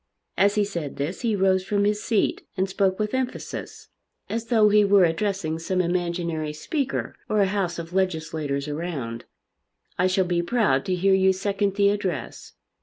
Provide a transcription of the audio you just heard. As he said this he rose from his seat and spoke with emphasis, as though he were addressing some imaginary Speaker or a house of legislators around. "I shall be proud to hear you second the address.